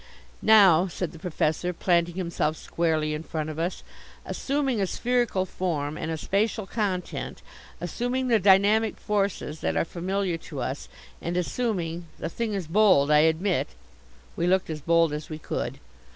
"Now," said the Professor, planting himself squarely in front of us, "assuming a spherical form, and a spacial content, assuming the dynamic forces that are familiar to us and assuming the thing is bold, I admit " We looked as bold as we could.